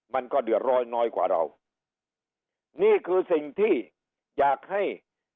มันก็เดือดร้อนน้อยกว่าเรานี่คือสิ่งที่อยากให้